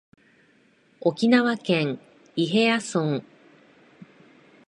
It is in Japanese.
沖縄県伊平屋村